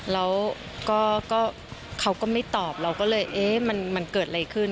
แล้วเขาก็ไม่ตอบเราก็เลยเอ๊ะมันเกิดอะไรขึ้น